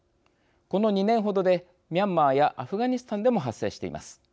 この２年ほどでミャンマーやアフガニスタンでも発生しています。